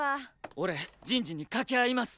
俺人事に掛け合います！